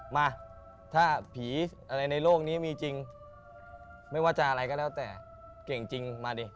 มาถ้าผีอะไรในโลกนี้มีจริงไม่ว่าจะอะไรก็แล้วแต่เก่งจริงมาดิ